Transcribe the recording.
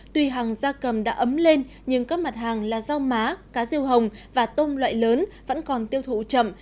tuy hàng gia cầm đã ấm lên nhưng các mặt hàng là rau má cá riêu hồng và tôm loại lớn vẫn còn tiêu thụ chậm